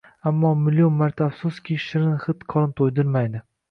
Ammo, million marta afsuski, shirin hid qorin to‘ydirmaydi